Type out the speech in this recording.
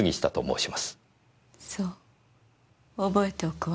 そう覚えておくわ。